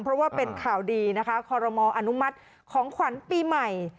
เพราะว่าเป็นข่าวดีนะคะคอรมออนุมัติของขวัญปีใหม่